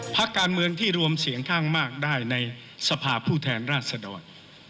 พักการเมืองที่รวมเสียงข้างมากได้ในสภาพผู้แทนราชดร